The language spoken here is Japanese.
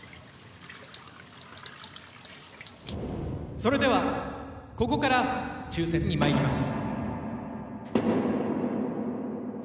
それではここから抽選にまいります